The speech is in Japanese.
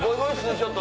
ちょっと。